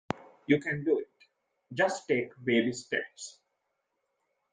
You can do it. Just take baby steps.